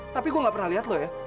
tapi gue nggak pernah lihat lo ya